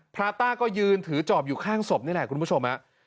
พระต้าก็ยืนถือจอบอยู่ข้างศพนี่แหละคุณผู้ชมฮะ